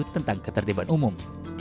tentang ketertiban umum